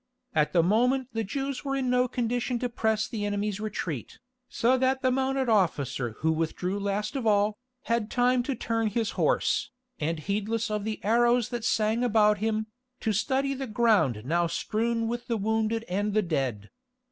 At the moment the Jews were in no condition to press the enemy's retreat, so that the mounted officer who withdrew last of all, had time to turn his horse, and heedless of the arrows that sang about him, to study the ground now strewn with the wounded and the dead.